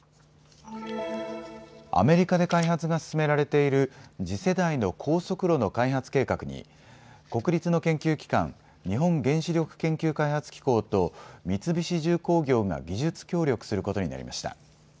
アメリカで開発が進められている次世代の高速炉の開発計画に国立の研究機関、日本原子力研究開発機構と三菱重工業が技術協力することになりました。